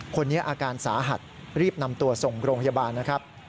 คนนี้อาการสาหัสรีบนำตัวส่งโรงพยาบาลนะครับ